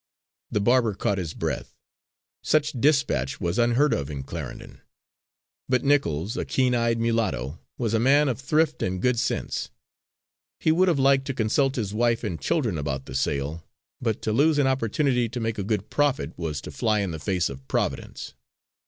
The barber caught his breath. Such dispatch was unheard of in Clarendon. But Nichols, a keen eyed mulatto, was a man of thrift and good sense. He would have liked to consult his wife and children about the sale, but to lose an opportunity to make a good profit was to fly in the face of Providence.